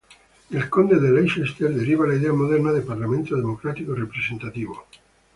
Del conde de Leicester deriva la idea moderna de Parlamento democrático representativo.